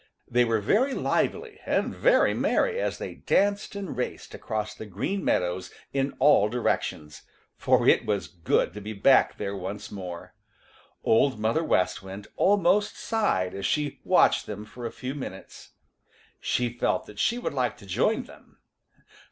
They were very lively and very merry as they danced and raced across the Green Meadows in all directions, for it was good to be back there once more. Old Mother West Wind almost sighed as she watched them for a few minutes. She felt that she would like to join them.